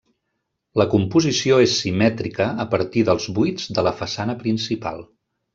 La composició és simètrica a partir dels buits de la façana principal.